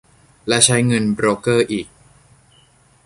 และใช้เงินโบรกเกอร์อีก